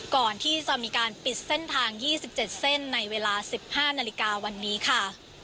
ก่อนที่จะมีการปิดเส้นทาง๒๗เส้นในเวลา๑๕นาฬิกาวันนี้ค่ะ